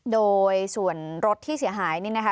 โดยส่วนรถที่เสียหายนี่นะคะ